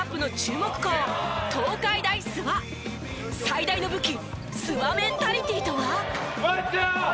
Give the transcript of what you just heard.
最大の武器諏訪メンタリティとは？